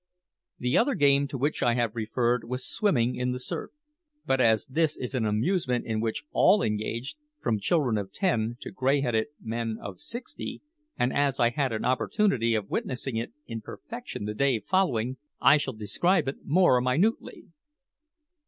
The other game to which I have referred was swimming in the surf. But as this is an amusement in which all engage, from children of ten to grey headed men of sixty, and as I had an opportunity of witnessing it in perfection the day following, I shall describe it more minutely.